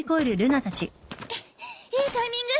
いいタイミング。